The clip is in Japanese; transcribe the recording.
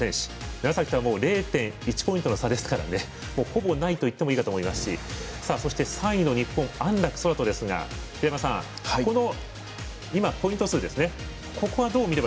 楢崎とは０．１ポイントの差ですからほぼないといってもいいかと思いますしそして、３位の日本安楽宙斗ですがこの今ポイント数ですね。